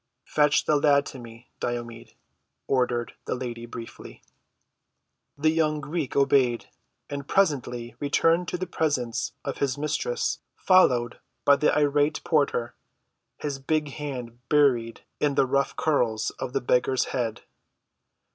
"Fetch the lad to me, Diomed," ordered the lady briefly. The young Greek obeyed, and presently returned to the presence of his mistress followed by the irate porter, his big hand buried in the rough curls of the beggar's head.